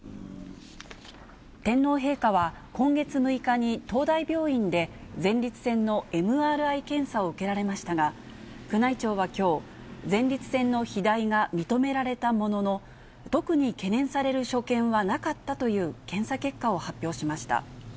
天皇陛下は、今月６日に東大病院で、前立腺のＭＲＩ検査を受けられましたが、宮内庁はきょう、前立腺の肥大が認められたものの、特に懸念される所見はなかったという検査結果を発表しました。